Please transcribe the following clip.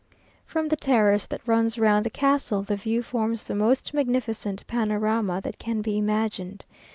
From the terrace that runs round the castle, the view forms the most magnificent panorama that can be imagined.